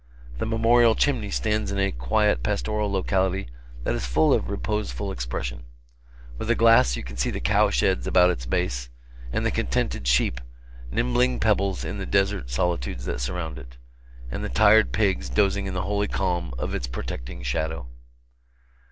The memorial Chimney stands in a quiet pastoral locality that is full of reposeful expression. With a glass you can see the cow sheds about its base, and the contented sheep nimbling pebbles in the desert solitudes that surround it, and the tired pigs dozing in the holy calm of its protecting shadow.